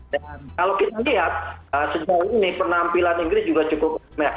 dan kalau kita lihat sejauh ini penampilan inggris juga cukup baik